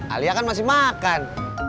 alia kan masih makan